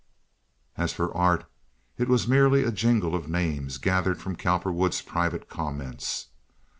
As for art, it was merely a jingle of names gathered from Cowperwood's private comments.